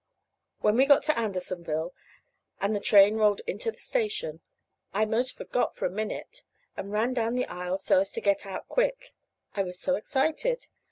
When we got to Andersonville, and the train rolled into the station, I 'most forgot, for a minute, and ran down the aisle, so as to get out quick. I was so excited!